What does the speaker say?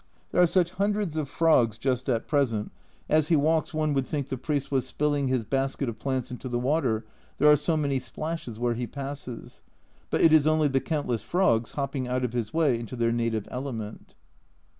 A Journal from Japan 169 There are such hundreds of frogs just at present, as he walks one would think the priest was spilling his basket of plants into the water, there are so many splashes where he passes, but it is only the countless frogs hopping out of his way into their native element.